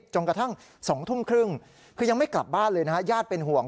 จนกระทั่ง๒ทุ่มครึ่งคือยังไม่กลับบ้านเลยนะฮะญาติเป็นห่วง